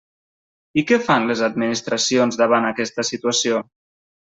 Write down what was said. I què fan les administracions davant aquesta situació?